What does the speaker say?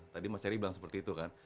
tadi mas heri bilang seperti itu kan